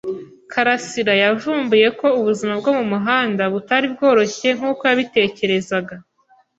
karasira yavumbuye ko ubuzima bwo mumuhanda butari bworoshye nkuko yabitekerezaga.